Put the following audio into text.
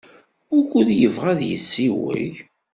Wukud yebɣa ad yessiwel?